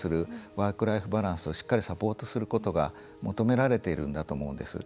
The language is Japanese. ワークライフバランスをしっかりサポートすることが求められているんだと思うんです。